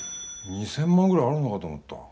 ２０００万ぐらいあるのかと思った。